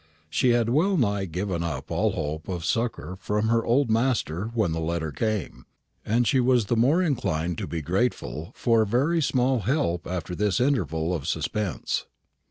She had well nigh given up all hope of succour from her old master when the letter came, and she was the more inclined to be grateful for very small help after this interval of suspense.